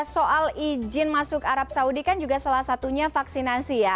soal izin masuk arab saudi kan juga salah satunya vaksinasi ya